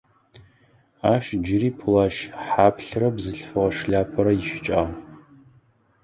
Ащ джыри плащ хьаплърэ бзылъфыгъэ шляпэрэ ищыкӏагъ.